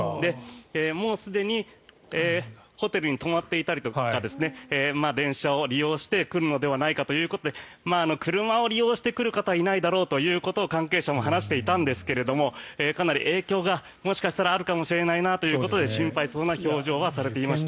もうすでにホテルに泊まっていたりとか電車を利用して来るのではないかということで車を利用して来る人はいないだろうということを関係者も話していたんですがかなり影響がもしかしたらあるかもしれないなということで心配そうな表情はされていました。